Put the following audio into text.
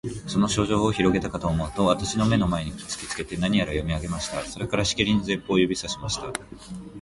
その書状をひろげたかとおもうと、私の眼の前に突きつけて、何やら読み上げました。それから、しきりに前方を指さしました。